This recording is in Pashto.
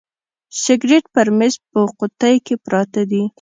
سګرېټ پر میز په قوطۍ کي پراته دي.